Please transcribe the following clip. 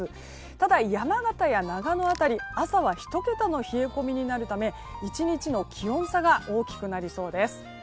ただ、山形や長野辺りは朝は１桁の冷え込みになるため一日の気温差が大きくなりそうです。